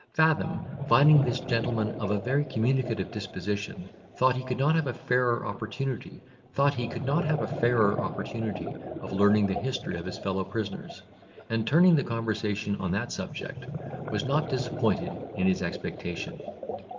Fathom, finding this gentleman of a very communicative disposition, thought he could not have a fairer opportunity of learning the history of his fellow prisoners; and, turning the conversation on that subject, was not disappointed in his expectation.